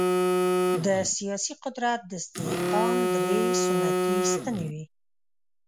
د سیاسي قدرت د استحکام درې سنتي ستنې وې.